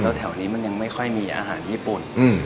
แล้วแถวนี้มันยังไม่ค่อยมีอาหารญี่ปุ่น